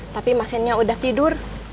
tapi mas ennya udah tidur